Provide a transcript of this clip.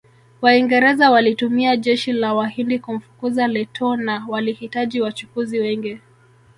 Waingereza walitumia jeshi la Wahindi kumfukuza Lettow na walihitaji wachukuzi wengi